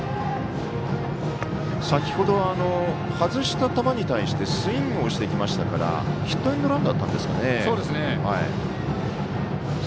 先ほど、外した球に対してスイングをしてきましたからヒットエンドランだったんですかね。